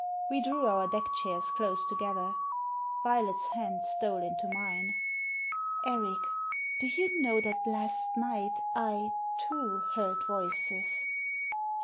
We drew our deck chairs close together. Violet's hand stole into mine. " Eric, do you know that last night I, too, heard voices